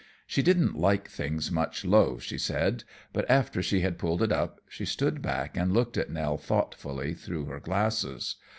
She didn't like things much low, she said; but after she had pulled it up, she stood back and looked at Nell thoughtfully through her glasses.